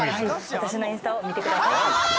私のインスタを見てください。